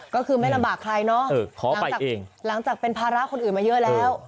ก็คือไม่ลำบากใครเนาะหลังจากเป็นภาระคนอื่นมาเยอะแล้ว